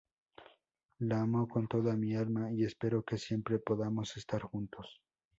La amo con toda mi alma y espero que siempre podamos estar juntos.